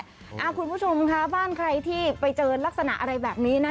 บ้านแหละอ่าคุณผู้ชมค่ะบ้านใครที่ไปเจอลักษณะอะไรแบบนี้น่ะ